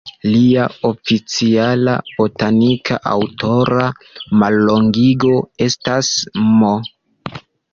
Lia oficiala botanika aŭtora mallongigo estas "M.".